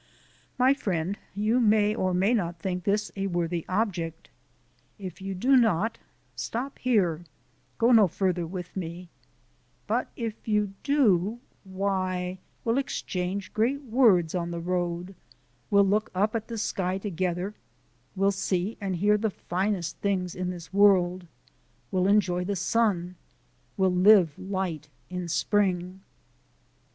My friend, you may or may not think this a worthy object; if you do not, stop here, go no further with me; but if you do, why, we'll exchange great words on the road; we'll look up at the sky together, we'll see and hear the finest things in this world! We'll enjoy the sun! We'll live light in spring!